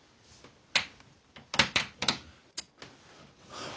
はあ。